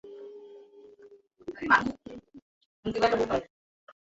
বসু এবং স্বপ্না গোয়া প্রদেশের একই জায়গায় বসবাস করে, তারা পরস্পর প্রতিবেশী।